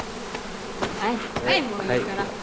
はいはいもういいから。